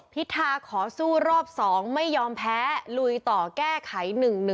พิธาขอสู้รอบ๒ไม่ยอมแพ้ลุยต่อแก้ไข๑๑